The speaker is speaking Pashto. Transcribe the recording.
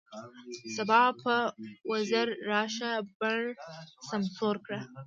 د سبا په وزر راشه، بڼ سمسور کړه